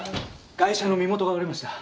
ガイシャの身元が割れました。